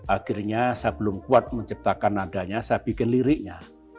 akhirnya saya belum kuat menciptakan nadanya saya bikin liriknya